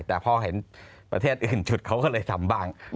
แต่พอเห็นประเทศอื่นจุดเขาก็เลยทำบ้าง